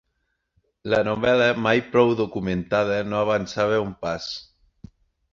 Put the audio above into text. La novel·la, mai prou documentada, no avançava un pas;